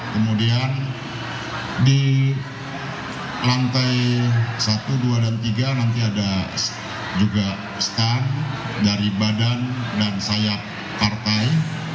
kemudian di lantai satu dua dan tiga nanti ada juga stand dari badan dan sayap partai